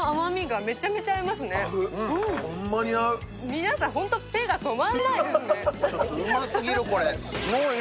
皆さん、本当に手が止まらないですね。